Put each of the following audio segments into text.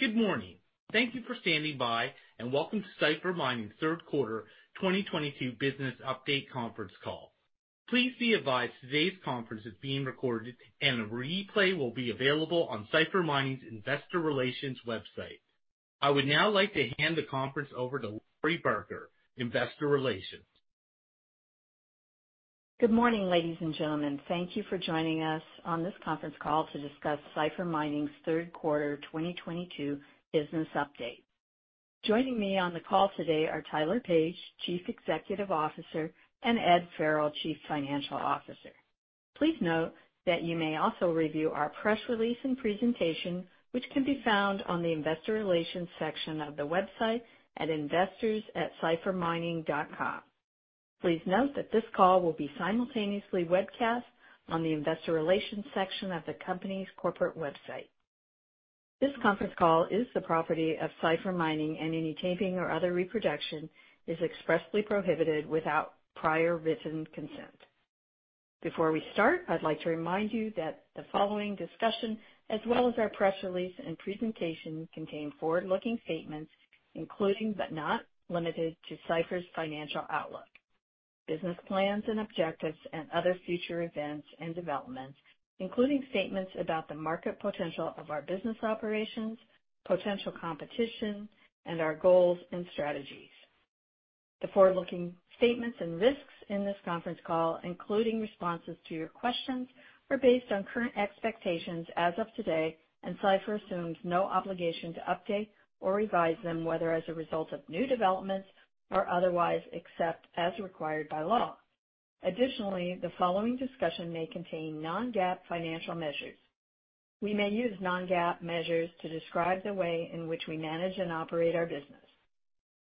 Good morning. Thank you for standing by, and welcome to Cipher Mining's third quarter 2022 business update conference call. Please be advised today's conference is being recorded, and a replay will be available on Cipher Mining's investor relations website. I would now like to hand the conference over to Lori Barker, Investor Relations. Good morning, ladies and gentlemen. Thank you for joining us on this conference call to discuss Cipher Mining's third quarter 2022 business update. Joining me on the call today are Tyler Page, Chief Executive Officer, and Ed Farrell, Chief Financial Officer. Please note that you may also review our press release and presentation, which can be found on the investor relations section of the website at investors@ciphermining.com. Please note that this call will be simultaneously webcast on the investor relations section of the company's corporate website. This conference call is the property of Cipher Mining, and any taping or other reproduction is expressly prohibited without prior written consent. Before we start, I'd like to remind you that the following discussion, as well as our press release and presentation, contain forward-looking statements, including, but not limited to, Cipher's financial outlook, business plans and objectives, and other future events and developments, including statements about the market potential of our business operations, potential competition, and our goals and strategies. The forward-looking statements and risks in this conference call, including responses to your questions, are based on current expectations as of today, and Cipher assumes no obligation to update or revise them, whether as a result of new developments or otherwise, except as required by law. Additionally, the following discussion may contain non-GAAP financial measures. We may use non-GAAP measures to describe the way in which we manage and operate our business.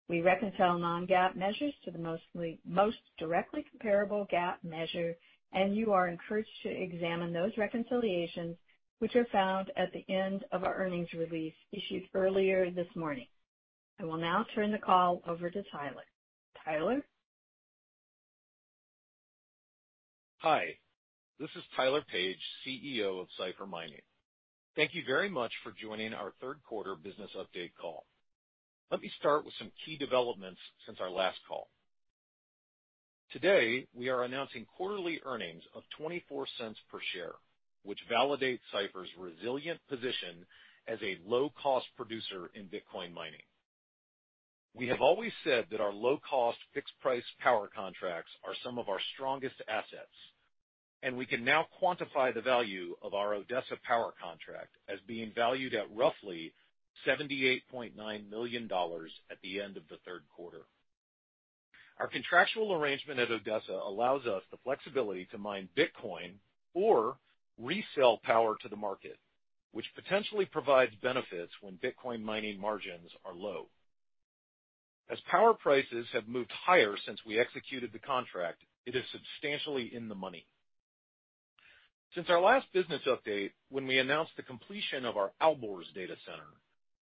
We reconcile non-GAAP measures to the most directly comparable GAAP measure, and you are encouraged to examine those reconciliations, which are found at the end of our earnings release issued earlier this morning. I will now turn the call over to Tyler. Tyler? Hi, this is Tyler Page, CEO of Cipher Mining. Thank you very much for joining our third quarter business update call. Let me start with some key developments since our last call. Today, we are announcing quarterly earnings of $0.24 per share, which validates Cipher's resilient position as a low-cost producer in Bitcoin mining. We have always said that our low-cost, fixed-price power contracts are some of our strongest assets, and we can now quantify the value of our Odessa power contract as being valued at roughly $78.9 million at the end of the third quarter. Our contractual arrangement at Odessa allows us the flexibility to mine Bitcoin or resell power to the market, which potentially provides benefits when Bitcoin mining margins are low. As power prices have moved higher since we executed the contract, it is substantially in the money. Since our last business update, when we announced the completion of our Alborz data center,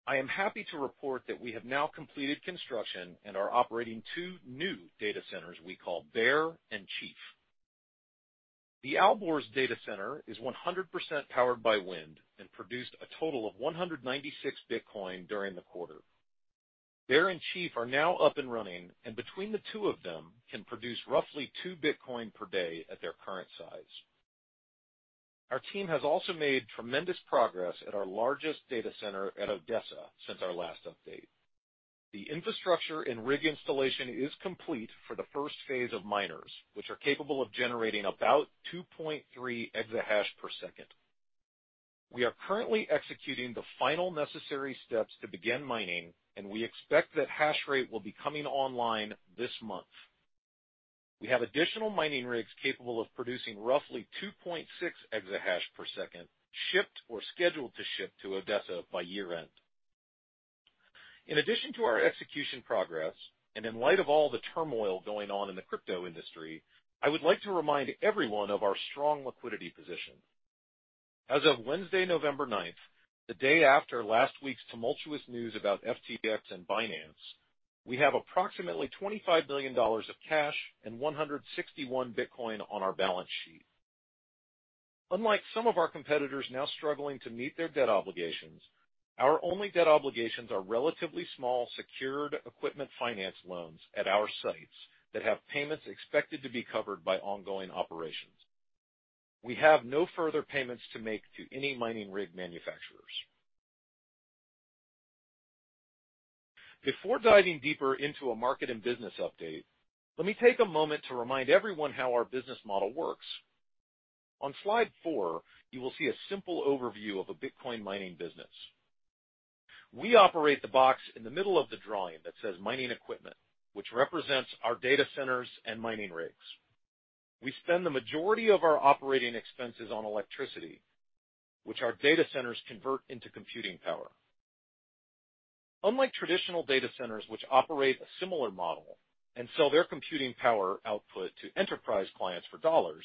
I am happy to report that we have now completed construction and are operating two new data centers we call Bear and Chief. The Alborz data center is 100% powered by wind and produced a total of 196 Bitcoin during the quarter. Bear and Chief are now up and running, and between the two of them, can produce roughly two Bitcoin per day at their current size. Our team has also made tremendous progress at our largest data center at Odessa since our last update. The infrastructure and rig installation is complete for the first phase of miners, which are capable of generating about 2.3 exahash per second. We are currently executing the final necessary steps to begin mining, and we expect that hash rate will be coming online this month. We have additional mining rigs capable of producing roughly 2.6 exahash per second, shipped or scheduled to ship to Odessa by year-end. In addition to our execution progress, and in light of all the turmoil going on in the crypto industry, I would like to remind everyone of our strong liquidity position. As of Wednesday, November ninth, the day after last week's tumultuous news about FTX and Binance, we have approximately $25 million of cash and 161 Bitcoin on our balance sheet. Unlike some of our competitors now struggling to meet their debt obligations, our only debt obligations are relatively small secured equipment finance loans at our sites that have payments expected to be covered by ongoing operations. We have no further payments to make to any mining rig manufacturers. Before diving deeper into a market and business update, let me take a moment to remind everyone how our business model works. On slide four, you will see a simple overview of a Bitcoin mining business. We operate the box in the middle of the drawing that says mining equipment, which represents our data centers and mining rigs. We spend the majority of our operating expenses on electricity, which our data centers convert into computing power. Unlike traditional data centers which operate a similar model and sell their computing power output to enterprise clients for dollars,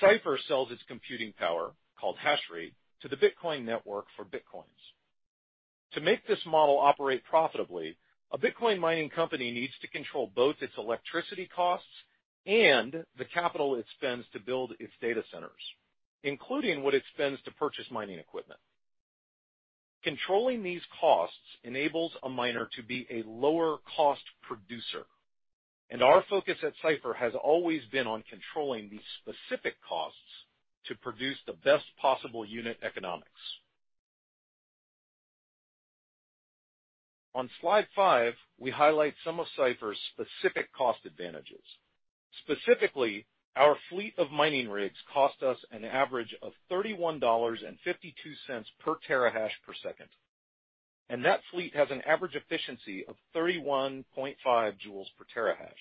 Cipher sells its computing power, called hash rate, to the Bitcoin network for Bitcoins. To make this model operate profitably, a Bitcoin mining company needs to control both its electricity costs and the capital it spends to build its data centers, including what it spends to purchase mining equipment. Controlling these costs enables a miner to be a lower cost producer, and our focus at Cipher has always been on controlling these specific costs to produce the best possible unit economics. On slide five, we highlight some of Cipher's specific cost advantages. Specifically, our fleet of mining rigs cost us an average of $31.52 per terahash per second, and that fleet has an average efficiency of 31.5 joules per terahash.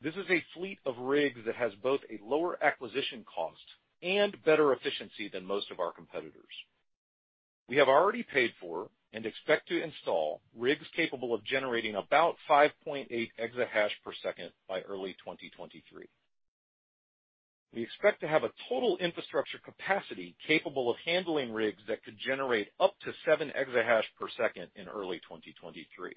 This is a fleet of rigs that has both a lower acquisition cost and better efficiency than most of our competitors. We have already paid for and expect to install rigs capable of generating about 5.8 exahash per second by early 2023. We expect to have a total infrastructure capacity capable of handling rigs that could generate up to seven exahash per second in early 2023.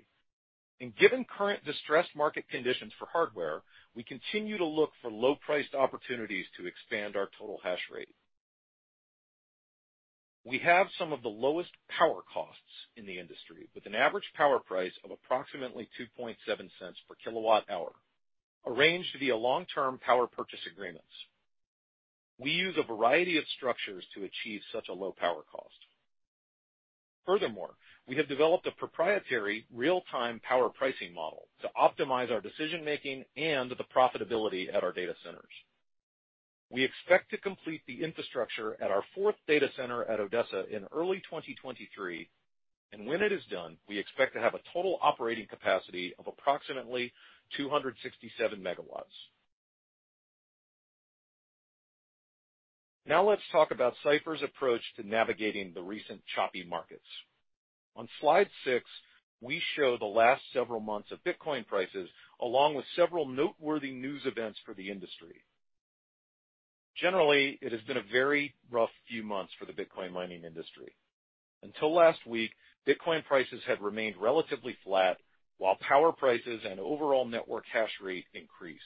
Given current distressed market conditions for hardware, we continue to look for low-priced opportunities to expand our total hash rate. We have some of the lowest power costs in the industry with an average power price of approximately $0.027 per kWh, arranged via long-term power purchase agreements. We use a variety of structures to achieve such a low power cost. Furthermore, we have developed a proprietary real-time power pricing model to optimize our decision-making and the profitability at our data centers. We expect to complete the infrastructure at our fourth data center at Odessa in early 2023, and when it is done, we expect to have a total operating capacity of approximately 267 MW. Now let's talk about Cipher's approach to navigating the recent choppy markets. On slide six, we show the last several months of Bitcoin prices along with several noteworthy news events for the industry. Generally, it has been a very rough few months for the Bitcoin mining industry. Until last week, Bitcoin prices had remained relatively flat while power prices and overall network hash rate increased.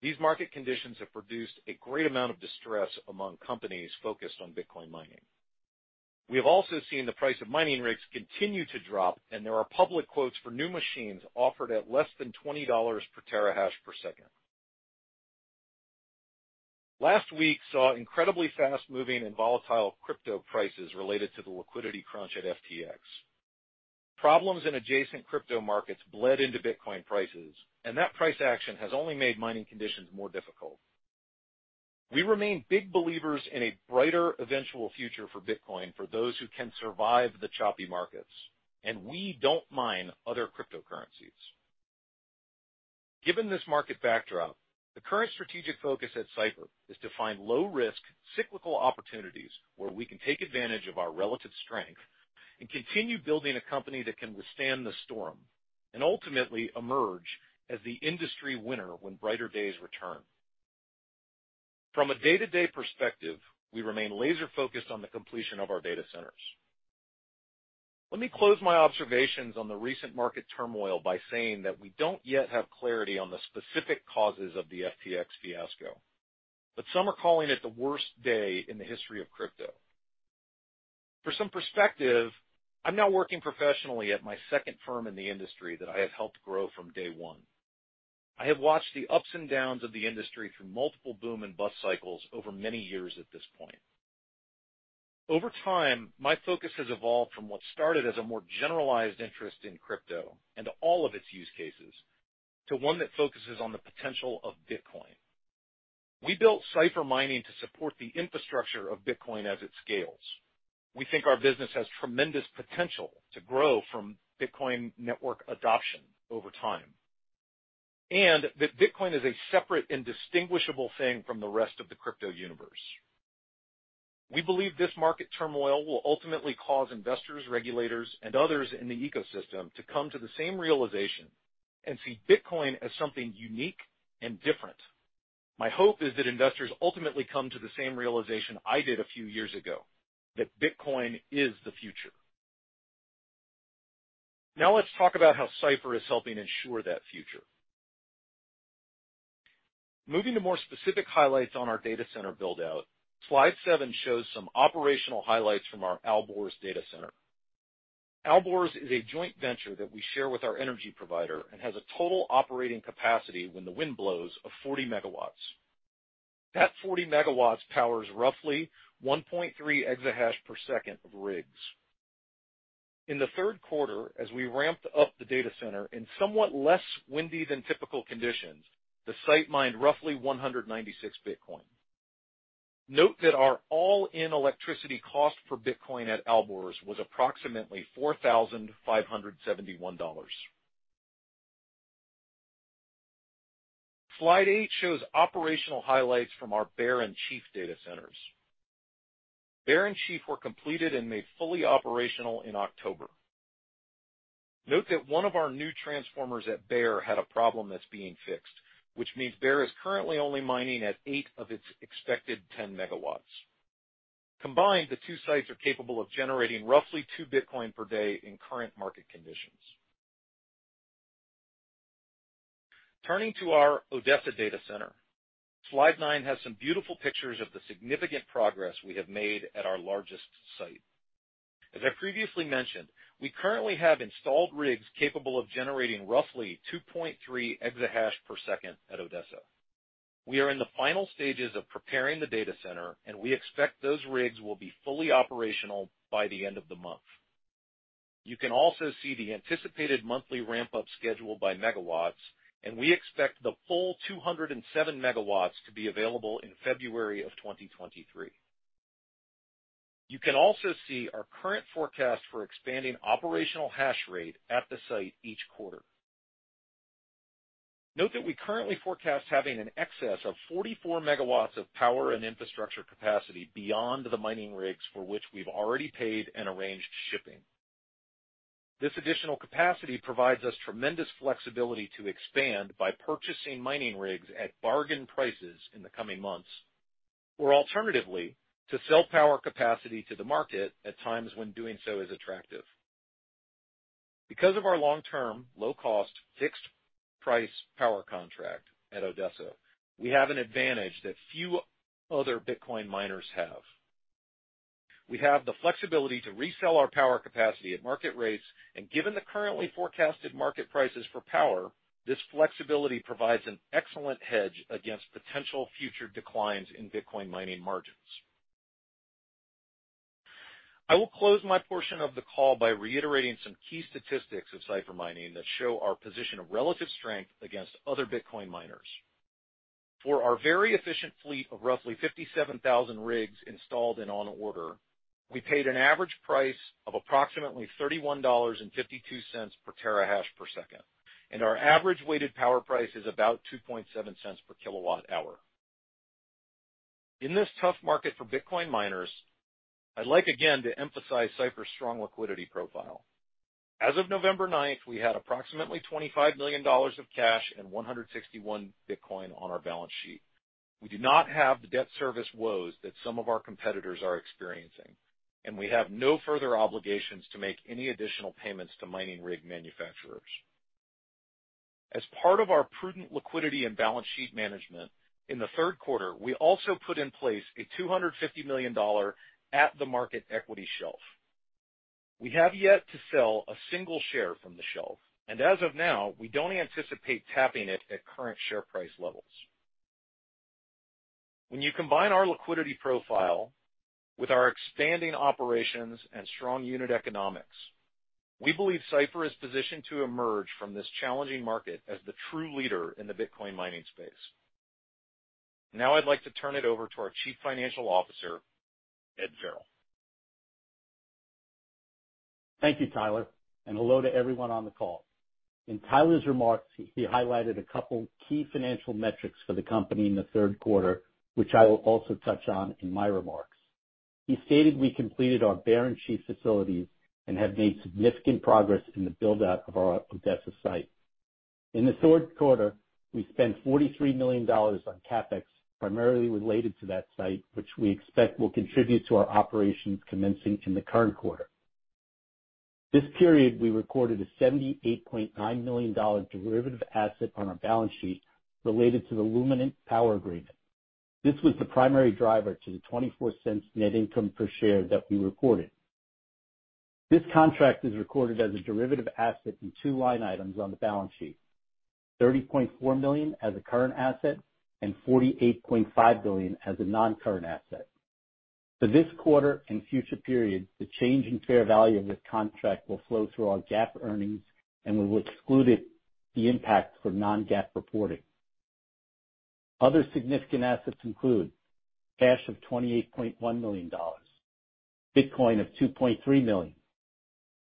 These market conditions have produced a great amount of distress among companies focused on Bitcoin mining. We have also seen the price of mining rigs continue to drop, and there are public quotes for new machines offered at less than $20 per terahash per second. Last week saw incredibly fast-moving and volatile crypto prices related to the liquidity crunch at FTX. Problems in adjacent crypto markets bled into Bitcoin prices, and that price action has only made mining conditions more difficult. We remain big believers in a brighter eventual future for Bitcoin for those who can survive the choppy markets, and we don't mine other cryptocurrencies. Given this market backdrop, the current strategic focus at Cipher is to find low-risk cyclical opportunities where we can take advantage of our relative strength and continue building a company that can withstand the storm and ultimately emerge as the industry winner when brighter days return. From a day-to-day perspective, we remain laser-focused on the completion of our data centers. Let me close my observations on the recent market turmoil by saying that we don't yet have clarity on the specific causes of the FTX fiasco, but some are calling it the worst day in the history of crypto. For some perspective, I'm now working professionally at my second firm in the industry that I have helped grow from day one. I have watched the ups and downs of the industry through multiple boom and bust cycles over many years at this point. Over time, my focus has evolved from what started as a more generalized interest in crypto and all of its use cases to one that focuses on the potential of Bitcoin. We built Cipher Mining to support the infrastructure of Bitcoin as it scales. We think our business has tremendous potential to grow from Bitcoin network adoption over time, and that Bitcoin is a separate and distinguishable thing from the rest of the crypto universe. We believe this market turmoil will ultimately cause investors, regulators, and others in the ecosystem to come to the same realization and see Bitcoin as something unique and different. My hope is that investors ultimately come to the same realization I did a few years ago, that Bitcoin is the future. Now let's talk about how Cipher is helping ensure that future. Moving to more specific highlights on our data center build-out, slide seven shows some operational highlights from our Alborz data center. Alborz is a joint venture that we share with our energy provider and has a total operating capacity when the wind blows of 40 MW. That 40 MW powers roughly 1.3 exahash per second of rigs. In the third quarter, as we ramped up the data center in somewhat less windy than typical conditions, the site mined roughly 196 Bitcoin. Note that our all-in electricity cost for Bitcoin at Alborz was approximately $4,571. Slide eight shows operational highlights from our Bear and Chief data centers. Bear and Chief were completed and made fully operational in October. Note that one of our new transformers at Bear had a problem that's being fixed, which means Bear is currently only mining at eight of its expected 10 MW. Combined, the two sites are capable of generating roughly two Bitcoin per day in current market conditions. Turning to our Odessa data center. Slide nine has some beautiful pictures of the significant progress we have made at our largest site. As I previously mentioned, we currently have installed rigs capable of generating roughly 2.3 exahash per second at Odessa. We are in the final stages of preparing the data center, and we expect those rigs will be fully operational by the end of the month. You can also see the anticipated monthly ramp up schedule by megawatts, and we expect the full 207 MW to be available in February 2023. You can also see our current forecast for expanding operational hash rate at the site each quarter. Note that we currently forecast having an excess of 44 MW of power and infrastructure capacity beyond the mining rigs for which we've already paid and arranged shipping. This additional capacity provides us tremendous flexibility to expand by purchasing mining rigs at bargain prices in the coming months, or alternatively, to sell power capacity to the market at times when doing so is attractive. Because of our long-term, low cost, fixed price power contract at Odessa, we have an advantage that few other Bitcoin miners have. We have the flexibility to resell our power capacity at market rates, and given the currently forecasted market prices for power, this flexibility provides an excellent hedge against potential future declines in Bitcoin mining margins. I will close my portion of the call by reiterating some key statistics of Cipher Mining that show our position of relative strength against other Bitcoin miners. For our very efficient fleet of roughly 57,000 rigs installed and on order, we paid an average price of approximately $31.52 per terahash per second, and our average weighted power price is about $0.027 per kWh. In this tough market for Bitcoin miners, I'd like again to emphasize Cipher's strong liquidity profile. As of November ninth, we had approximately $25 million of cash and 161 Bitcoin on our balance sheet. We do not have the debt service woes that some of our competitors are experiencing, and we have no further obligations to make any additional payments to mining rig manufacturers. As part of our prudent liquidity and balance sheet management, in the third quarter, we also put in place a $250 million at-the-market equity shelf. We have yet to sell a single share from the shelf, and as of now, we don't anticipate tapping it at current share price levels. When you combine our liquidity profile with our expanding operations and strong unit economics, we believe Cipher is positioned to emerge from this challenging market as the true leader in the Bitcoin mining space. Now I'd like to turn it over to our Chief Financial Officer, Ed Farrell. Thank you, Tyler, and hello to everyone on the call. In Tyler's remarks, he highlighted a couple key financial metrics for the company in the third quarter, which I will also touch on in my remarks. He stated we completed our Bear and Chief facilities and have made significant progress in the build-out of our Odessa site. In the third quarter, we spent $43 million on CapEx, primarily related to that site, which we expect will contribute to our operations commencing in the current quarter. This period, we recorded a $78.9 million derivative asset on our balance sheet related to the Luminant power agreement. This was the primary driver to the $0.24 net income per share that we recorded. This contract is recorded as a derivative asset in two line items on the balance sheet. $30.4 million as a current asset and $48.5 billion as a non-current asset. For this quarter and future periods, the change in fair value of this contract will flow through our GAAP earnings, and we've excluded the impact for non-GAAP reporting. Other significant assets include cash of $28.1 million, Bitcoin of $2.3 million,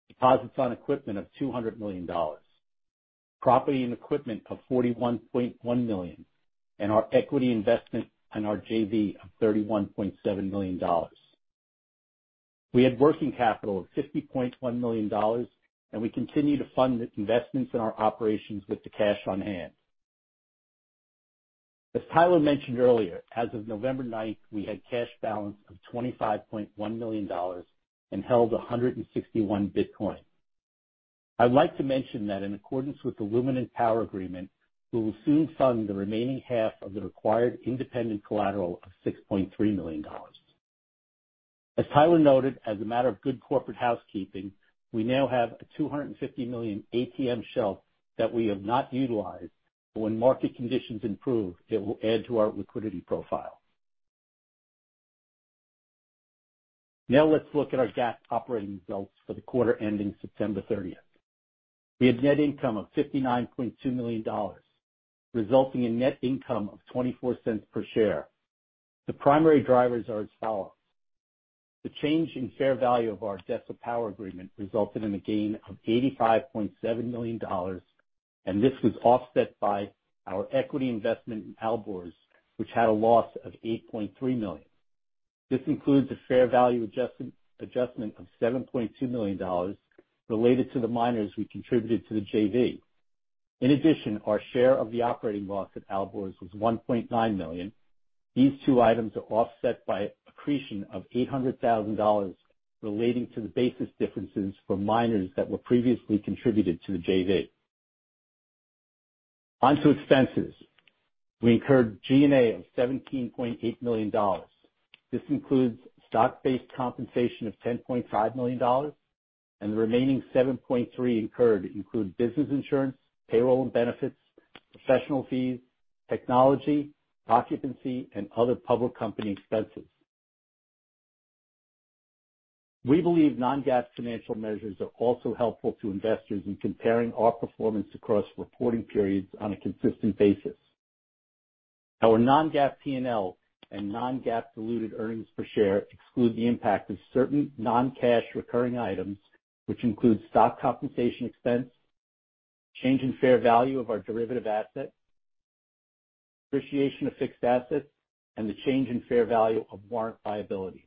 deposits on equipment of $200 million, property and equipment of $41.1 million, and our equity investment in our JV of $31.7 million. We had working capital of $50.1 million, and we continue to fund the investments in our operations with the cash on hand. As Tyler mentioned earlier, as of November ninth, we had cash balance of $25.1 million and held 161 Bitcoin. I'd like to mention that in accordance with the Luminant power agreement, we will soon fund the remaining half of the required independent collateral of $6.3 million. As Tyler noted, as a matter of good corporate housekeeping, we now have a $250 million ATM shelf that we have not utilized, but when market conditions improve, it will add to our liquidity profile. Now let's look at our GAAP operating results for the quarter ending September 30. We had net income of $59.2 million, resulting in net income of $0.24 per share. The primary drivers are as follows. The change in fair value of our Odessa power agreement resulted in a gain of $85.7 million, and this was offset by our equity investment in Alborz, which had a loss of $8.3 million. This includes a fair value adjustment of $7.2 million related to the miners we contributed to the JV. In addition, our share of the operating loss at Alborz was $1.9 million. These two items are offset by accretion of $800,000 relating to the basis differences for miners that were previously contributed to the JV. On to expenses. We incurred G&A of $17.8 million. This includes stock-based compensation of $10.5 million, and the remaining $7.3 million incurred include business insurance, payroll and benefits, professional fees, technology, occupancy, and other public company expenses. We believe non-GAAP financial measures are also helpful to investors in comparing our performance across reporting periods on a consistent basis. Our non-GAAP P&L and non-GAAP diluted earnings per share exclude the impact of certain non-cash recurring items, which include stock compensation expense, change in fair value of our derivative asset, depreciation of fixed assets, and the change in fair value of warrant liability.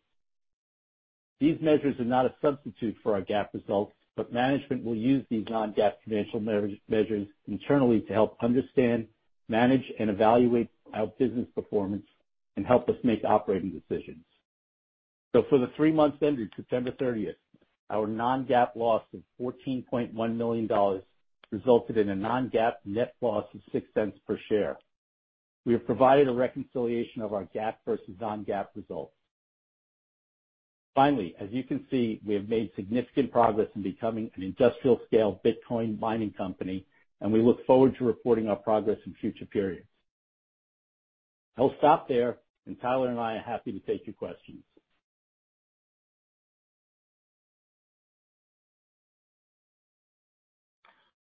These measures are not a substitute for our GAAP results, but management will use these non-GAAP financial measures internally to help understand, manage, and evaluate our business performance and help us make operating decisions. For the three months ended September 30th, our non-GAAP loss of $14.1 million resulted in a non-GAAP net loss of $0.06 per share. We have provided a reconciliation of our GAAP versus non-GAAP results. Finally, as you can see, we have made significant progress in becoming an industrial-scale Bitcoin mining company, and we look forward to reporting our progress in future periods. I'll stop there, and Tyler and I are happy to take your questions.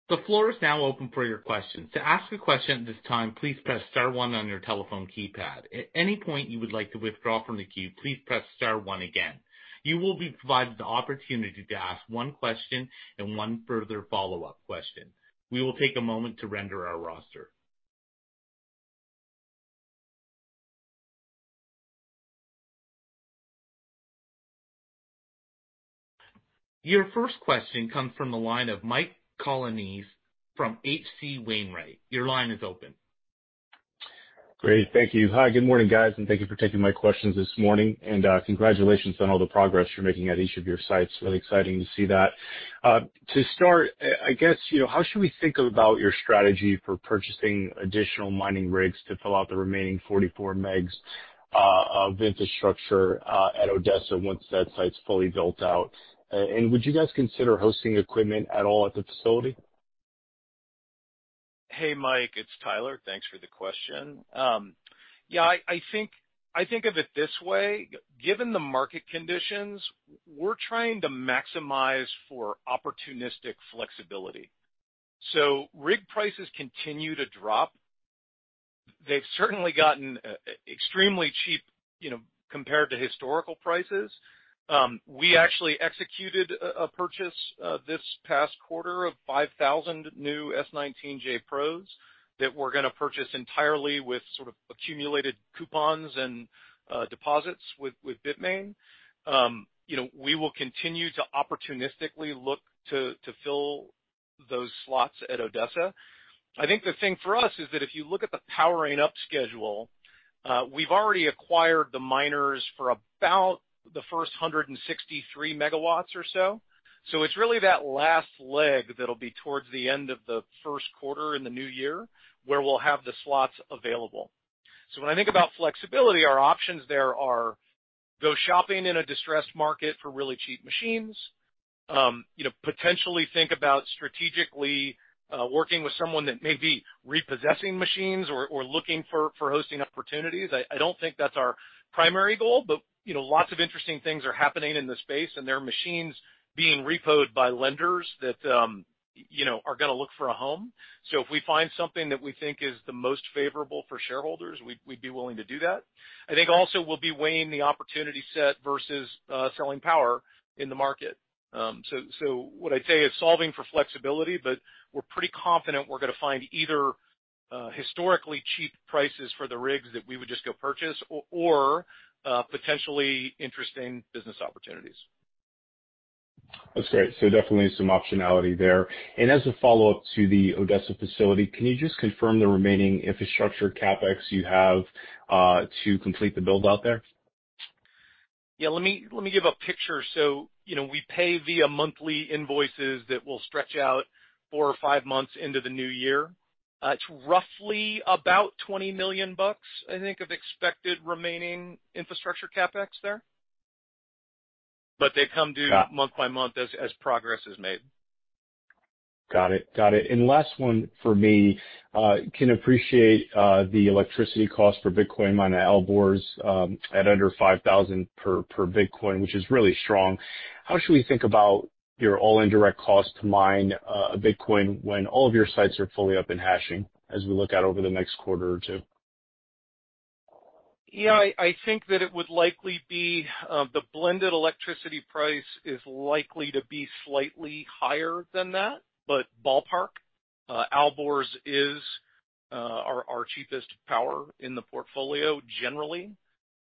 The floor is now open for your questions. To ask a question at this time, please press star one on your telephone keypad. At any point you would like to withdraw from the queue, please press star one again. You will be provided the opportunity to ask one question and one further follow-up question. We will take a moment to render our roster. Your first question comes from the line of Mike Colonnese from H.C. Wainwright. Your line is open. Great. Thank you. Hi, good morning, guys, and thank you for taking my questions this morning. Congratulations on all the progress you're making at each of your sites. Really exciting to see that. To start, I guess, you know, how should we think about your strategy for purchasing additional mining rigs to fill out the remaining 44 MW of infrastructure at Odessa once that site's fully built out? Would you guys consider hosting equipment at all at the facility? Hey, Mike, it's Tyler. Thanks for the question. Yeah, I think of it this way. Given the market conditions, we're trying to maximize for opportunistic flexibility. Rig prices continue to drop. They've certainly gotten extremely cheap, you know, compared to historical prices. We actually executed a purchase this past quarter of 5,000 new S19J Pros that we're gonna purchase entirely with sort of accumulated coupons and deposits with Bitmain. You know, we will continue to opportunistically look to fill those slots at Odessa. I think the thing for us is that if you look at the powering up schedule, we've already acquired the miners for about the first 163 MW or so. It's really that last leg that'll be towards the end of the first quarter in the new year, where we'll have the slots available. When I think about flexibility, our options there are go shopping in a distressed market for really cheap machines. You know, potentially think about strategically working with someone that may be repossessing machines or looking for hosting opportunities. I don't think that's our primary goal, but you know, lots of interesting things are happening in the space, and there are machines being repo'd by lenders that you know are gonna look for a home. If we find something that we think is the most favorable for shareholders, we'd be willing to do that. I think also we'll be weighing the opportunity set versus selling power in the market. What I'd say is solving for flexibility, but we're pretty confident we're gonna find either historically cheap prices for the rigs that we would just go purchase or potentially interesting business opportunities. That's great. Definitely some optionality there. As a follow-up to the Odessa facility, can you just confirm the remaining infrastructure CapEx you have to complete the build out there? Yeah, let me give a picture. You know, we pay via monthly invoices that will stretch out four or five months into the new year. It's roughly about $20 million, I think, of expected remaining infrastructure CapEx there. But they come due. Got it. Month by month as progress is made. Got it. Last one for me. Can appreciate the electricity cost for Bitcoin on Alborz at under $5,000 per Bitcoin, which is really strong. How should we think about your all-in direct cost to mine Bitcoin when all of your sites are fully up and hashing, as we look out over the next quarter or two? I think that it would likely be the blended electricity price is likely to be slightly higher than that, but ballpark. Alborz is our cheapest power in the portfolio generally,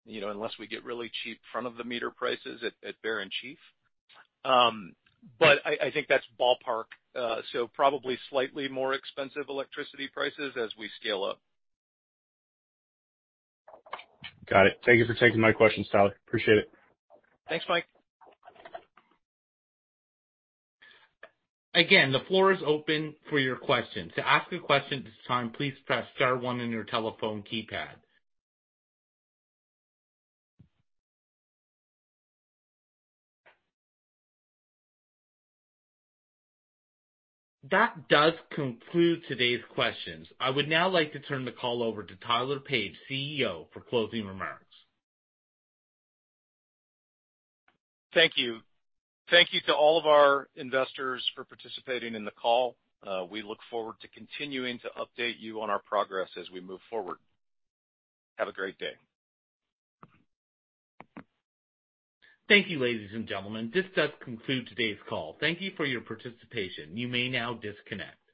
you know, unless we get really cheap front of the meter prices at Bear and Chief. But I think that's ballpark. Probably slightly more expensive electricity prices as we scale up. Got it. Thank you for taking my questions, Tyler. Appreciate it. Thanks, Mike. Again, the floor is open for your questions. To ask a question at this time, please press star one on your telephone keypad. That does conclude today's questions. I would now like to turn the call over to Tyler Page, CEO, for closing remarks. Thank you. Thank you to all of our investors for participating in the call. We look forward to continuing to update you on our progress as we move forward. Have a great day. Thank you, ladies and gentlemen. This does conclude today's call. Thank you for your participation. You may now disconnect.